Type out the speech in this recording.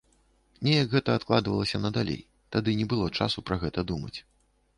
Неяк гэта адкладвалася надалей, тады не было часу пра гэта думаць.